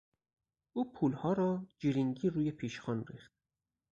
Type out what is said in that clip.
او پولها را جرینگی روی پیشخوان ریخت.